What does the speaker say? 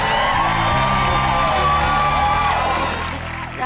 ถูกครับ